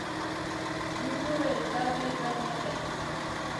جوجو وويل، دا ځای بد نه دی.